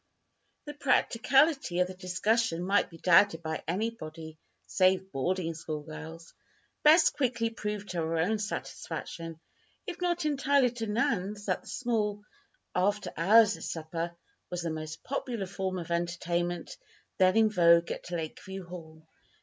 The practicality of the discussion might be doubted by anybody save boarding school girls. Bess quickly proved to her own satisfaction, if not entirely to Nan's, that the small, "after hours supper" was the most popular form of entertainment then in vogue at Lakeview Hall.